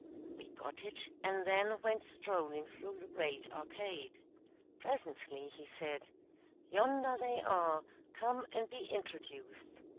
We got it, and then went strolling through the great arcade. Presently he said, "Yonder they are; come and be introduced."